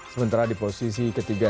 sementara di posisi ketiga